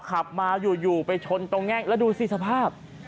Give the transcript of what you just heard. ขับมาอยู่ไปชนตรงแง่งแล้วดูสิสภาพ